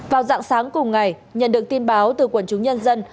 vào dạng sáng cùng ngày nhận được tin báo từ quần chúng nhân dân